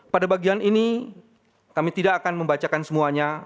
pada bagian ini kami tidak akan membacakan semuanya